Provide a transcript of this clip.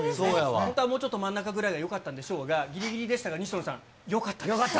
本当はもうちょっと真ん中のほうがよかったんでしょうが、ぎりぎりでしたが、西野さん、よかった、よかった。